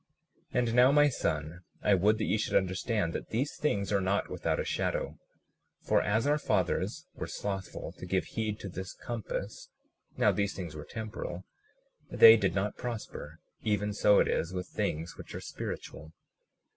37:43 And now, my son, I would that ye should understand that these things are not without a shadow; for as our fathers were slothful to give heed to this compass (now these things were temporal) they did not prosper; even so it is with things which are spiritual.